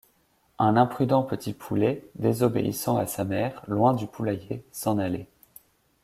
Un imprudent petit poulet, Désobéissant à sa mère, Loin du poulailler, s'en allait.